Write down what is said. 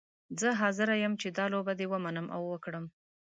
زه حاضره یم چې دا لوبه دې ومنم او وکړم.